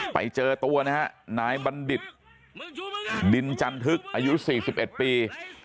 ไปเจอตัวนะฮะนายบัณฑิตดินจันทึกอายุ๔๑ปี